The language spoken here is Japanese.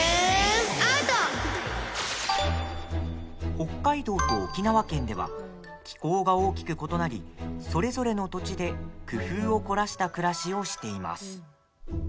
北海道と沖縄県では気候が大きく異なりそれぞれの土地で工夫を凝らした暮らしをしています。